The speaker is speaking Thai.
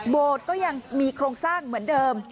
ก็ยังมีโครงสร้างเหมือนเดิม